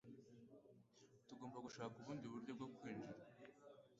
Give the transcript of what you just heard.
Tugomba gushaka ubundi buryo bwo kwinjira